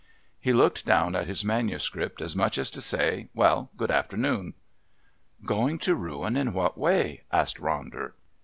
He looked down at his manuscript as much as to say, "Well, good afternoon." "Going to ruin in what way?" asked Ronder.